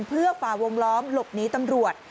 เพื่อฝ่าวงล้อมหลบหนีตำรวจ